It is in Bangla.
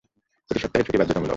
প্রতি সপ্তাহে ছুটি বাধ্যতামূলক!